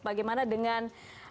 bagaimana dengan satu